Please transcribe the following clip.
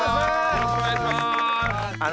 よろしくお願いします。